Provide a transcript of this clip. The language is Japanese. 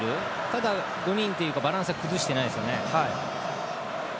ただ５人というかバランスは崩していませんね。